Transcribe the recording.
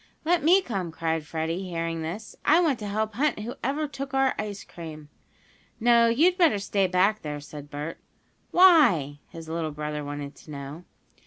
"Let me come!" cried Freddie, hearing this. "I want to help hunt whoever took our ice cream." "No, you'd better stay back there," said Bert. "Why?" his little brother wanted to know.